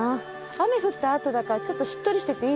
雨降ったあとだからちょっとしっとりしてていいですね。